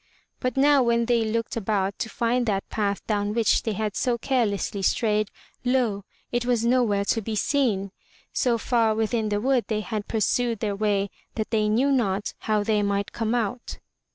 But now when they looked about to find that path down which they had so carelessly strayed, lo! it was nowhere to be seen. So far within the wood they had pur sued their way that they knew not how they might come out.